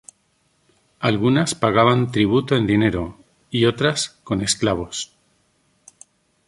Algunas pagaban tributo en dinero, y otras con esclavos.